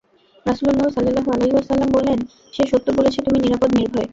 রাসূলুল্লাহ সাল্লাল্লাহু আলাইহি ওয়াসাল্লাম বললেন, সে সত্য বলেছে, তুমি নিরাপদ নির্ভয়।